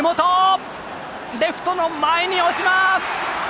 レフトの前に落ちます！